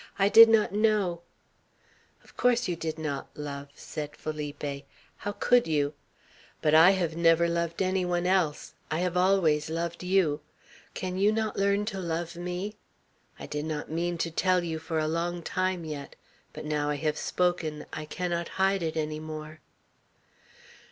I did not know " "Of course you did not, love," said Felipe. "How could you? But I have never loved any one else. I have always loved you. Can you not learn to love me? I did not mean to tell you for a long time yet. But now I have spoken; I cannot hide it any more."